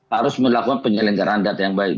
harus melakukan penyelenggaraan data yang baik